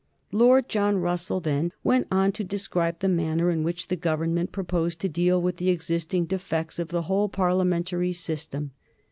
Lord John Russell then went on to describe the manner in which the Government proposed to deal with the existing defects of the whole Parliamentary system.